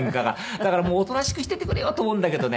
だからもうおとなしくしててくれよと思うんだけどね